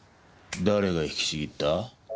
誰が引きちぎった？